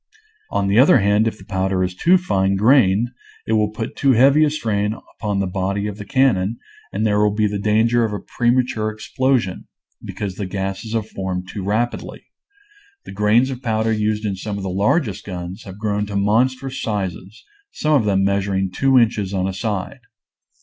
On the other hand, if the powder is too fine grained it will put too heavy a strain upon the body of the cannon and there will be danger of a prema ture explosion, because the gases have formed too rapidly. The grains of powder used in some of the largest guns have grown to mon strous sizes; some of them measuring two inches on a side.